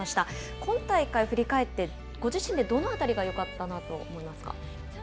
今大会振り返ってご自身でどの辺りがよかったなと思いますか。